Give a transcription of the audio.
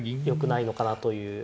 よくないのかなという。